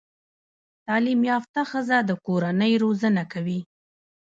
تعليم يافته ښځه د کورنۍ روزانه کوي